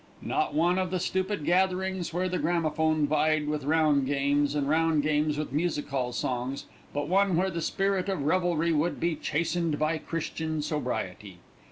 Not one of the stupid gatherings where the gramophone vied with round games, and round games with music hall songs; but one where the spirit of revelry would be chastened by Christian sobriety.